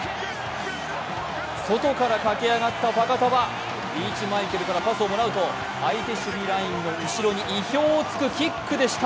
外から駆け上がったファカタヴァリーチマイケルからパスをもらうと相手守備ラインの後ろに意表を突くキックでした。